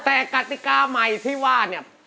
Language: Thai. แต่กติกาใหม่ที่ว่าเนี่ย